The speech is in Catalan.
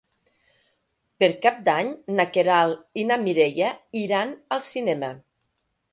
Per Cap d'Any na Queralt i na Mireia iran al cinema.